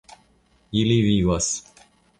Ili vivas.